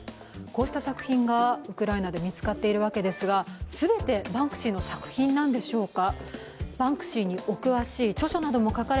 こうした作品がウクライナで見つかっているわけですが全てバンクシーの作品なんでしょうか。